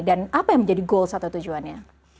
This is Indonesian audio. dan apa yang menjadi goal atau tujuannya